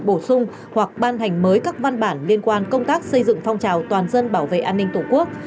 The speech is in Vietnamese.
bổ sung hoặc ban hành mới các văn bản liên quan công tác xây dựng phong trào toàn dân bảo vệ an ninh tổ quốc